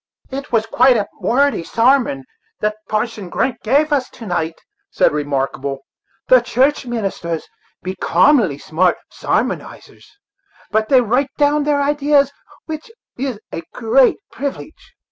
"It was quite a wordy sarmon that Parson Grant gave us to night," said Remarkable. "The church ministers be commonly smart sarmonizers, but they write down their idees, which is a great privilege.